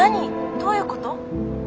どういうこと？